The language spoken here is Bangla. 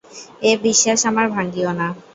এ বিশ্বাস আমার ভাঙিয়ো না।